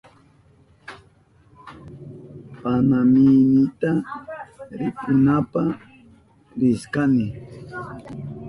Panamihinita rikunapa rishkani.